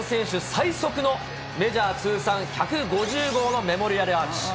最速のメジャー通算１５０号のメモリアルアーチ。